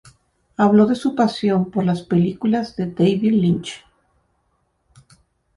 Habló de su pasión por las películas de David Lynch.